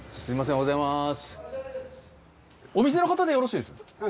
おはようございます。